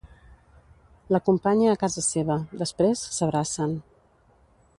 L'acompanya a casa seva, després, s’abracen.